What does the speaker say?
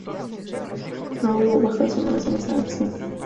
No hubo bajas humanas en esa acción.